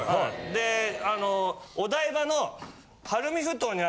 でお台場の。